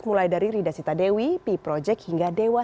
mulai dari rida sita dewi p project hingga dewa